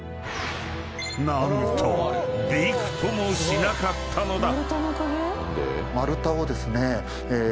［何とびくともしなかったのだ］